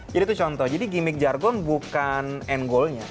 jadi itu contoh jadi gimmick jargon bukan end goalnya